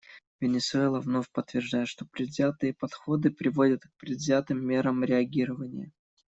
Венесуэла вновь подтверждает, что предвзятые подходы приводят к предвзятым мерам реагирования.